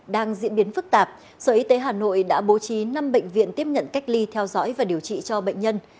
đang diễn biến phức tạp sở y tế hà nội đã bố trí năm bệnh viện tiếp nhận cách ly theo dõi và điều trị cho bệnh nhân